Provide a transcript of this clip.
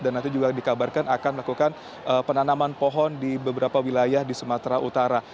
dan nanti juga dikabarkan akan melakukan penanaman pohon di beberapa wilayah di sumatera utara